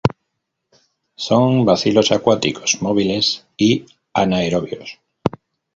Son bacilos acuáticos, móviles y anaerobios.